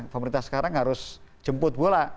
pemerintah sekarang harus jemput bola